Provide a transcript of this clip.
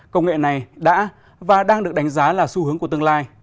công nghệ này đã và đang được đánh giá là xu hướng của tương lai